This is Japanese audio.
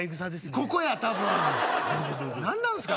ここやたぶん何なんすか